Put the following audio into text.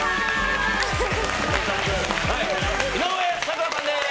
井上咲楽さんです。